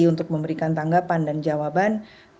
untuk memberikan tanggapan dan jawaban